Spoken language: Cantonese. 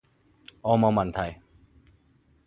我冇問題